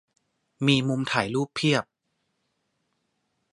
มีมุมถ่ายรูปเพียบ